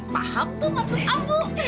paham tuh maksud ambu